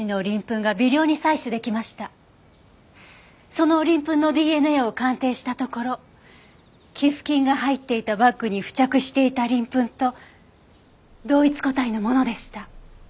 その鱗粉のＤＮＡを鑑定したところ寄付金が入っていたバッグに付着していた鱗粉と同一個体のものでした。